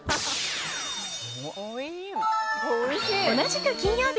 同じく金曜日。